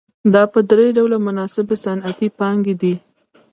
دا په درې ډوله مناسبې صنعتي پانګې دي